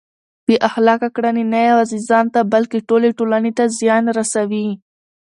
بې اخلاقه کړنې نه یوازې ځان ته بلکه ټولې ټولنې ته زیان رسوي.